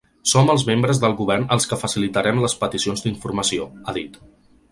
Som els membres del govern els que facilitarem les peticions d’informació, ha dit.